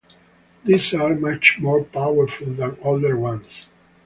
These are much more powerful than older ones.